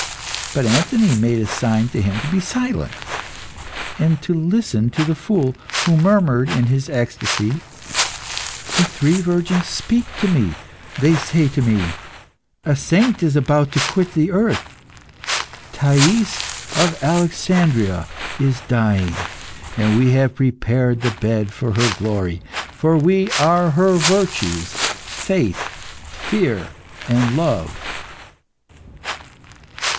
But Anthony made a sign to him to be silent, and to listen to the Fool, who murmured in his ecstasy "The three virgins speak to me; they say unto me: 'A saint is about to quit the earth; Thais of Alexandria is dying. And we have prepared the bed of her glory, for we are her virtues Faith, Fear, and Love.